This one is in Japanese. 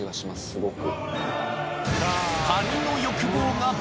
すごく。